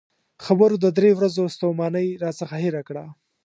خبرو د درې ورځو ستومانۍ راڅخه هېره کړه.